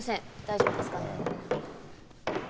大丈夫ですか？